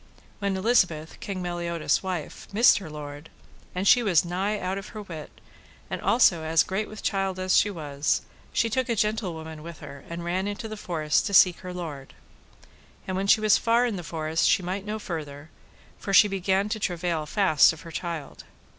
When Elizabeth, King Meliodas' wife, missed her lord, and she was nigh out of her wit, and also as great with child as she was, she took a gentlewoman with her, and ran into the forest to seek her lord. And when she was far in the forest she might no farther, for she began to travail fast of her child.